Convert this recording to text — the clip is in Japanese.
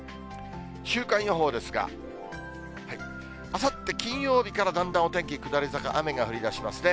週間予報ですが、あさって金曜日から、だんだんお天気下り坂、雨が降りだしますね。